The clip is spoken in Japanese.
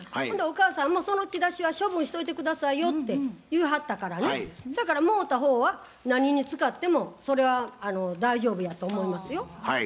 ほんでお母さんも「そのチラシは処分しといて下さいよ」って言いはったからねそやからもろた方は何に使ってもそれは大丈夫やと思いますよ。